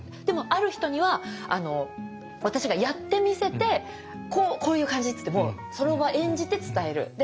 でもある人には私がやってみせて「こういう感じ」つってもうその場演じて伝える。